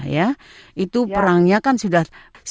ya itu perangnya kan sudah